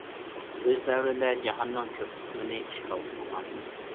ئۆز دەۋرىدە جاھاننىڭ كۆپ قىسمىنى ئىشغال قىلغان.